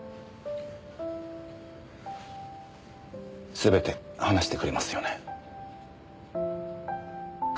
すべて話してくれますよね？